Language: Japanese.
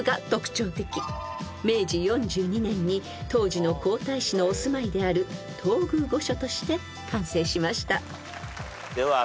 ［明治４２年に当時の皇太子のお住まいである東宮御所として完成しました］では